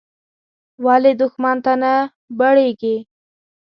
ولې دوښمن ته نه بړېږې.